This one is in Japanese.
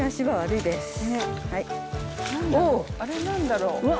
何だろう。